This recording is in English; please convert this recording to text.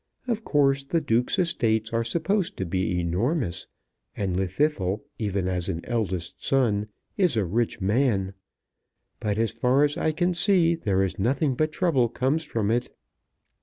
Of course the Duke's estates are supposed to be enormous, and Llwddythlw, even as an eldest son, is a rich man; but as far as I can see there is nothing but trouble comes from it.